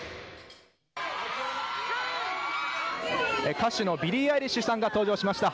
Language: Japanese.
歌手のビリー・アイリッシュさんが登場しました。